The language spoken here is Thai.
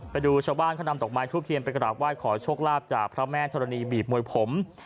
ไปดูชาวบ้านเขานำดอกไม้ทูบเทียนไปกราบไหว้ขอโชคลาภจากพระแม่ธรณีบีบมวยผม